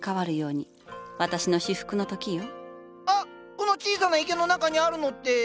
この小さな池の中にあるのって。